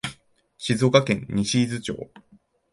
静岡県西伊豆町